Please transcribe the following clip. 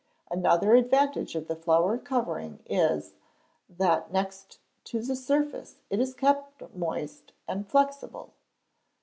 Another advantage of the flour covering is, that next to the surface it is kept moist and flexible.